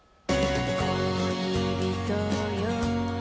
「恋人よ